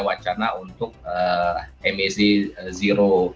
wacana untuk emisi zero